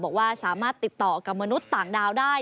บอกว่าสามารถติดต่อกับมนุษย์ต่างดาวได้